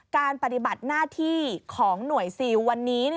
การปฏิบัติหน้าที่ของหน่วยซิลวันนี้